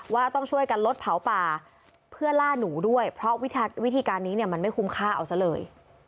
ว่าต้องช่วยกันลดเผาป่าเพื่อล่าหนูด้วยเพราะวิธีการนี้เนี่ยมันไม่คุ้มค่าเอาซะเลย